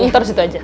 ntar disitu aja